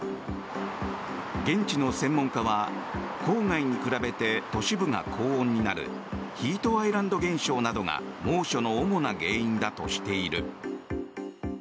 現地の専門家は郊外に比べて都市部が高温になるヒートアイランド現象などが猛暑の主な原因だとしている。